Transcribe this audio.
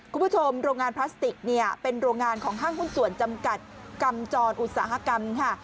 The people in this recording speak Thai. คุณผู้ชมโรงงานพลาสติกเนี่ยเป็นโรงงานของห้างหุ้นส่วนจำกัดกำจรอุตสาหกรรมค่ะ